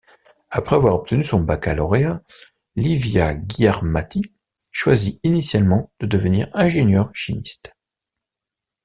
Après avoir obtenu son baccalauréat, Lívia Gyarmathy choisit initialement de devenir ingénieur chimiste.